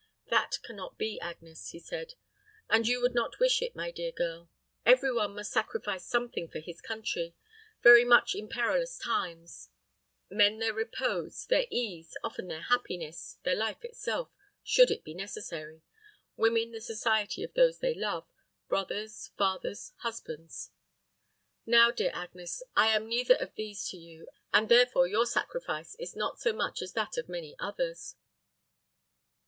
"That can not be, Agnes," he said, "and you would not wish it, my dear girl. Every one must sacrifice something for his country very much in perilous times men their repose, their ease, often their happiness, their life itself, should it be necessary; women, the society of those they love brothers, fathers, husbands. Now, dear Agnes, I am neither of these to you, and therefore your sacrifice is not so much as that of many others."